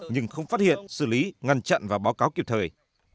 nhưng không phát hiện xử lý ngăn chặn và báo cáo kịp thời